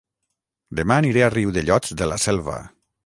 Dema aniré a Riudellots de la Selva